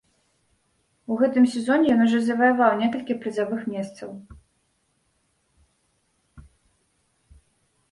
У гэтым сезоне ён ужо заваяваў некалькі прызавых месцаў.